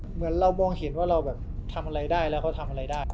เหมือนเรามองเห็นว่าเราแบบทำอะไรได้แล้วเขาทำอะไรได้